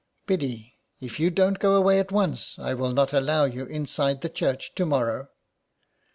" Biddy, if you don't go away at once I will not allow you inside the church to morrow."